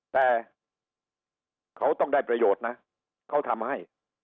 แต่เขาต้องได้ประโยชน์นะเขาทำให้